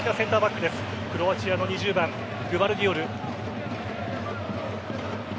クロアチアの２０番グヴァルディオル。